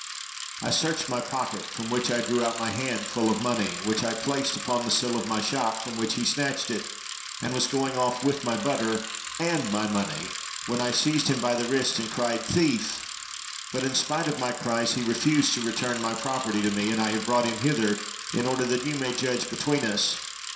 I searched my pocket, from which I drew out my hand full of money, which I placed upon the sill of my shop, from which he snatched it, and was going off with my butter and my money, when I seized him by the wrist and cried, 'Thief!' but in spite of my cries, he refused to return my property to me, and I have brought him hither in order that you may judge between us.